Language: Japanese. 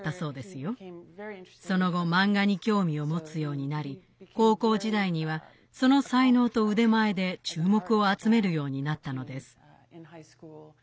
その後漫画に興味を持つようになり高校時代にはその才能と腕前で注目を集めるようになったのです。